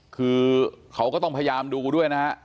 คือเขาก็ต้องพยายามดูด้วยนะฮะ